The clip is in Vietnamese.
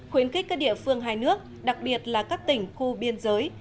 khuyến khích các địa phương hai nước đặc biệt là các tỉnh khu biên giới